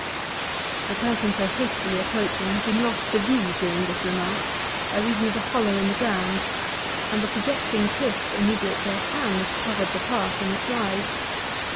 The person so hastily approaching had been lost to view during this remark by reason of a hollow in the ground, and the projecting cliff immediately at hand covered the path in its rise.